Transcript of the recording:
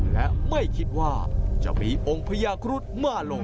และไม่คิดว่าจะมีองค์พญาครุฑมาลง